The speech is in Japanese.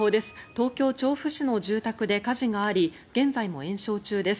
東京・調布市の住宅で火事があり現在も延焼中です。